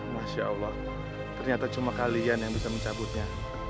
masya allah ternyata cuma kalian yang bisa mencabutnya